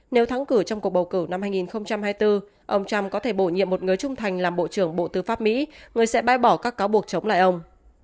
nếu thắng cử trong cuộc bầu cử năm hai nghìn hai mươi bốn ông trump có thể bổ nhiệm một người trung thành làm bộ trưởng bộ tư pháp mỹ người sẽ bãi bỏ các cáo buộc chống lại ông